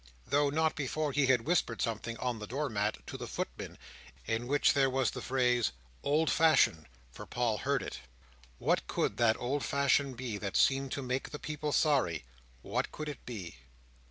Though not before he had whispered something, on the door mat, to the footman, in which there was the phrase "old fashioned"—for Paul heard it. What could that old fashion be, that seemed to make the people sorry! What could it be!